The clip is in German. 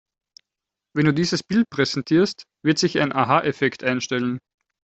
Wenn du dieses Bild präsentierst, wird sich ein Aha-Effekt einstellen.